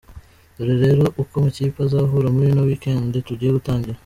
Dore rero uko amakipe azahura muri ino week-end tugiye gutangira.